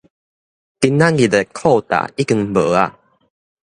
今仔日的クォータ已經無矣